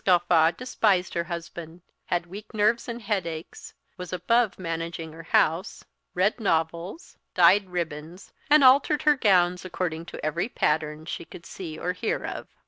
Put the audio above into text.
Gawffaw despised her husband; had weak nerves and headaches was above managing her house read novels dyed ribbons and altered her gowns according to every pattern she could see or hear of.